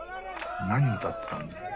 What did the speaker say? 何歌ってたんだろう